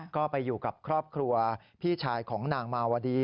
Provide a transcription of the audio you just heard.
ก็ไปอยู่กับครอบครัวพี่ชายของนางมาวดี